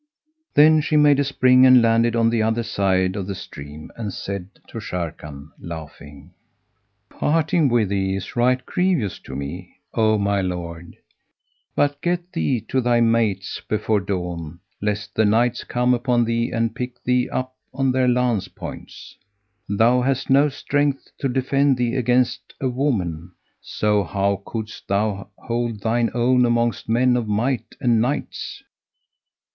Then she made a spring and landed on the other side of the stream and said to Sharrkan, laughing, "Parting with thee is right grievous to me, O my lord; but get thee to thy mates before dawn, lest the Knights come upon thee and pick thee up on their lance points. Thou hast no strength to defend thee against a woman, so how couldst thou hold thine own amongst men of might and Knights?"